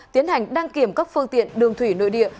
tiến hành đăng kiểm các phương tiện đường thủy nội địa